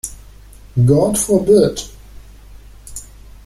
God forbid!